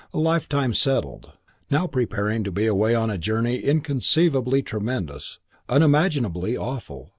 A lifetime settled; now preparing to be away on a journey inconceivably tremendous, unimaginably awful.